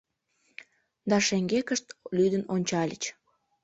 Да шеҥгекышт лӱдын ончальыч.